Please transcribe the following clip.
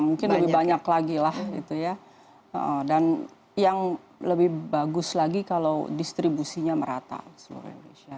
ya mungkin lebih banyak lagi lah dan yang lebih bagus lagi kalau distribusinya merata di seluruh indonesia